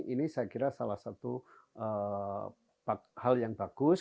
ini saya kira salah satu hal yang bagus